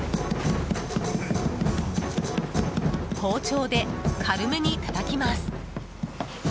包丁で軽めにたたきます。